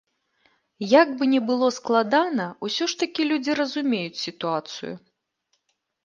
Як бы ні было складана, усё ж такі людзі разумеюць сітуацыю.